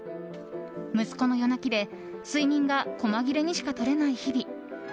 息子の夜泣きで睡眠が細切れにしかとれない日々。